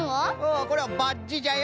んこれはバッジじゃよ。